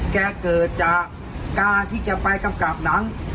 แกเกิดจากการที่แกไปกำกับหนัง